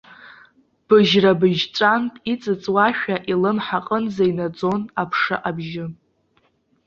Быжьрабыжьҵәантә иҵыҵуашәа илымҳа аҟынӡа инаӡон аԥша абжьы.